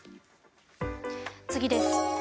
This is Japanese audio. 次です。